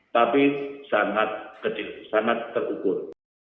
tapi sangat kecil sangat terukur